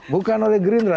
bukan oleh gerindra